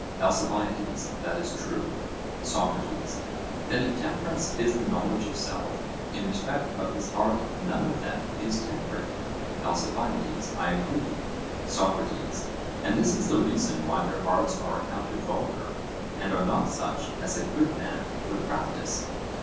ALCIBIADES: That is true. SOCRATES: Then if temperance is the knowledge of self, in respect of his art none of them is temperate? ALCIBIADES: I agree. SOCRATES: And this is the reason why their arts are accounted vulgar, and are not such as a good man would practise?